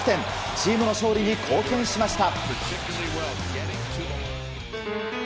チームの勝利に貢献しました。